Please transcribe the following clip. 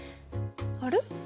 あれ？